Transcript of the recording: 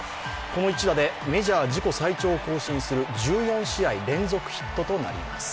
この一打でメジャー自己最長を更新する１４試合連続ヒットとなります。